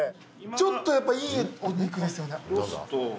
ちょっとやっぱいいお肉ですよね。